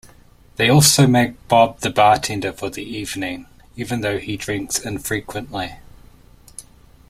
They also make Bob the bartender for the evening even though he drinks infrequently.